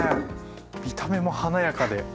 見た目も華やかで。